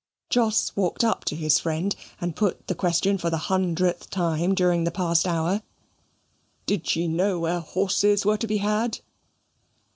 Jos walked up to his friend, and put the question for the hundredth time during the past hour, "Did she know where horses were to be had?"